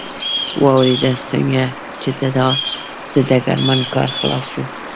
واورېد، څنګه چې د ډګرمن کار خلاص شو.